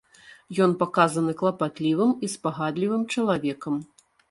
Ён паказаны клапатлівым і спагадлівым чалавекам.